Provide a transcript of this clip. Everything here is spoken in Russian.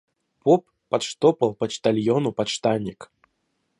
Поп подштопал почтальону подштанник.